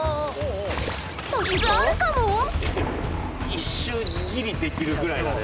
一瞬ギリできるぐらいだね。